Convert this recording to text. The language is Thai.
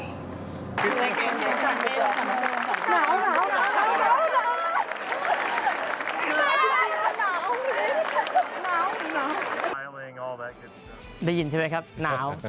หนาวเหมือนกัน